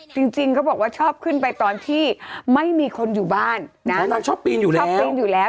จริงจริงเขาบอกว่าชอบขึ้นไปตอนที่ไม่มีคนอยู่บ้านนะแล้วนางชอบปีนอยู่แล้วชอบปีนอยู่แล้ว